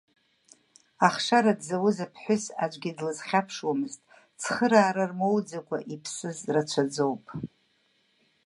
Ахшара дзауз аԥҳәыс аӡәгьы длызхьаԥшуамызт, цхыраара рмоуӡакәа иԥсыз рацәаӡоуп.